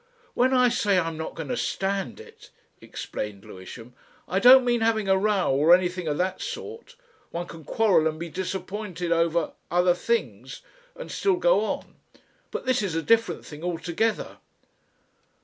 "When I say I'm not going to stand it," explained Lewisham, "I don't mean having a row or anything of that sort. One can quarrel and be disappointed over other things and still go on. But this is a different thing altogether.